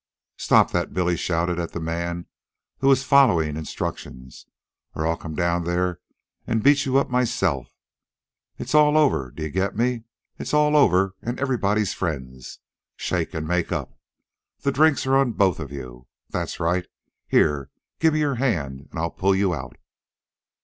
"Stop that!" Billy shouted at the man, who was following instructions, "Or I'll come down there an' beat you up myself. It's all over d'ye get me? It's all over an' everybody's friends. Shake an' make up. The drinks are on both of you. That's right here, gimme your hand an' I'll pull you out."